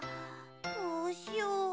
どうしよう。